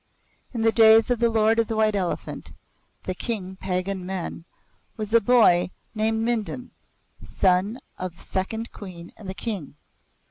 In the days of the Lord of the White Elephant, the King Pagan Men, was a boy named Mindon, son of second Queen and the King.